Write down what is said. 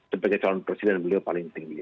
sebagai calon presiden beliau paling tinggi